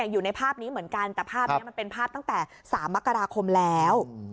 อยู่ในภาพนี้เหมือนกันแต่ภาพนี้มันเป็นภาพตั้งแต่๓มกราคมแล้ว